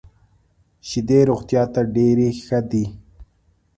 شیدې روغتیا ته ډېري ښه دي .